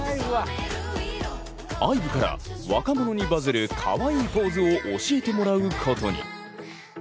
ＩＶＥから若者にバズるカワイイポーズを教えてもらうことに。